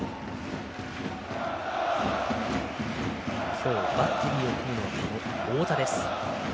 今日バッテリーを組むのは太田。